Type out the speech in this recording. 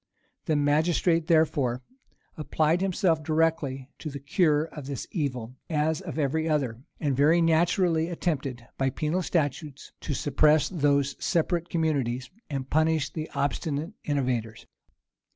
[*] The magistrate, therefore, applied himself directly to the cure of this evil, as of every other; and very naturally attempted, by penal statutes, to suppress those separate communities, and punish the obstinate innovators.